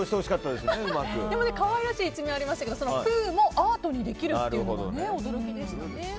でも可愛らしい一面がありましたがプーもアートにできるというのは驚きでしたね。